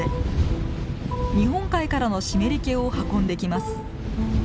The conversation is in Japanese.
日本海からの湿り気を運んできます。